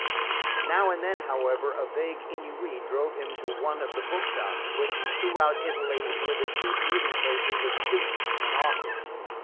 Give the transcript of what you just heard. Now and then, however, a vague ennui drove him to one of the bookshops which, throughout Italy were the chief meeting places of students and authors.